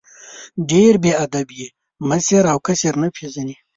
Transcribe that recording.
ډېر بې ادب یې ، مشر او کشر نه پېژنې!